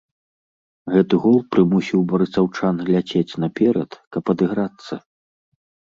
Гэты гол прымусіў барысаўчан ляцець наперад, каб адыграцца.